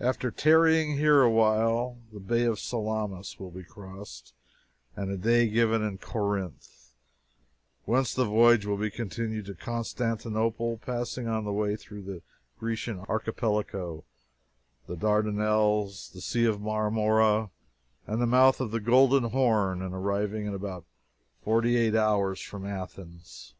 After tarrying here awhile, the Bay of Salamis will be crossed, and a day given to Corinth, whence the voyage will be continued to Constantinople, passing on the way through the Grecian Archipelago, the Dardanelles, the Sea of Marmora, and the mouth of the Golden Horn, and arriving in about forty eight hours from Athens.